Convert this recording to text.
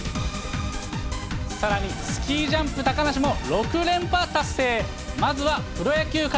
さらにスキージャンプ、高梨も６連覇達成。